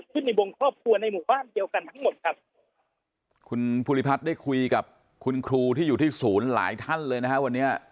คุณภูริพัฒน์ได้คุยกับคุณครูที่อยู่ที่ศูนย์หลายท่านเลยนะครับวันนี้